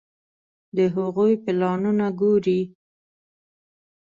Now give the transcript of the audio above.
د هغوی پلانونه ګوري.